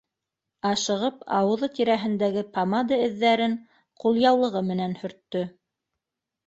Ашығып ауыҙ тирәһендәге помада эҙҙәрен ҡулъяулығы менән һөрттө